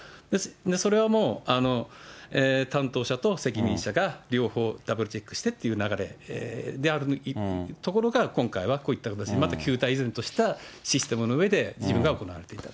それはもう、担当者と責任者が両方ダブルチェックしてっていう流れであるところから、今回はこういった形、旧態依然としたシステムの上で事務が行われいた。